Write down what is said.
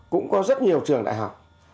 cũng có rất nhiều trường đại học